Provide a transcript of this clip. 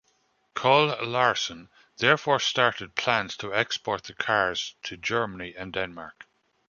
Kohl-Larsen therefore started plans to export the cars to Germany and Denmark.